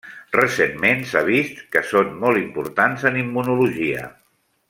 Recentment s'ha vist que són molt importants en immunologia.